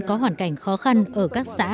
có hoàn cảnh khó khăn ở các xã